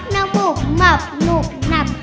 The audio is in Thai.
แล้วมุมมับหนุนับ